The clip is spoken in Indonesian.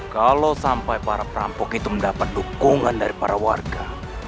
kalau sampai para perampok itu mendapat dukungan dari para warga